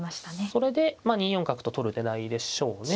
それで２四角と取る狙いでしょうね。